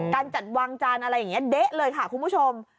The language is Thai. การจัดวางจานอะไรอย่างนี้เด๊ะเลยค่ะคุณผู้ชม